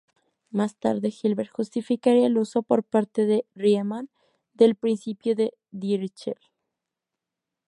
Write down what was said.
Más tarde, Hilbert justificaría el uso, por parte de Riemann, del principio de Dirichlet.